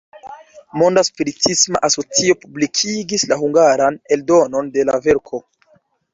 Monda Spiritisma Asocio publikigis la hungaran eldonon de la verko.